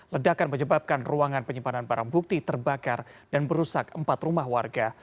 ledakan menyebabkan ruangan penyimpanan barang bukti terbakar dan merusak empat rumah warga